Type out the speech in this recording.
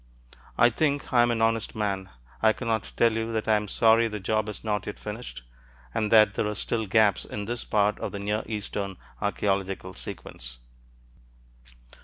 I think I am an honest man; I cannot tell you that I am sorry the job is not yet finished and that there are still gaps in this part of the Near Eastern archeological sequence.